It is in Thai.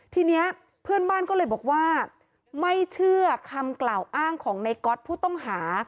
ทีนี้เพื่อนบ้านก็เลยบอกว่าไม่เชื่อคำกล่าวอ้างของในก๊อตผู้ต้องหา